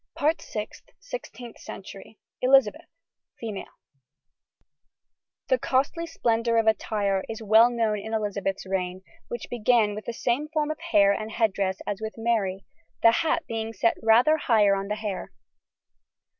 SIXTEENTH CENTURY. ELIZABETH. FEMALE. The costly splendour of attire is well known in Elizabeth's reign, which began with the same form of hair and head dress as with Mary, the hat being set rather higher on the hair.